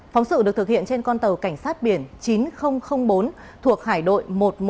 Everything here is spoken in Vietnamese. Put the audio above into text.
phóng sự được thực hiện trên con tàu cảnh sát biển chín nghìn bốn thuộc hải đội một trăm một mươi một